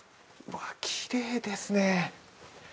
わあ、きれいですね。